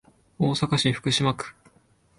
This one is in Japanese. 大阪市福島区